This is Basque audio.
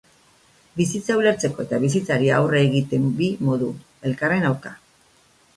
Bizitza ulertzeko eta bizitzari aurre egite bi modu, elkarren aurka.